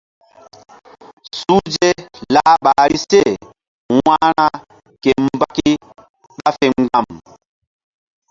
Suhze lah ɓahri se wa̧hra ke mbaki ɓa fe mgba̧m.